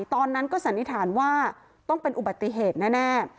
ตอนนั้นก็สันนิษฐานว่าต้องเป็นอุบัติเหตุแน่